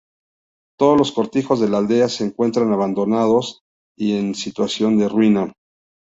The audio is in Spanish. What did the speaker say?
Todos los cortijos de la aldea se encuentran abandonados y en situación de ruina.